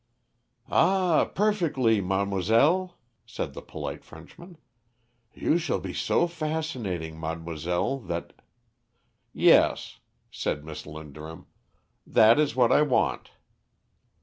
"Ah, perfectly, mademoiselle," said the polite Frenchman. "You shall be so fascinating, mademoiselle, that " "Yes," said Miss Linderham, "that is what I want."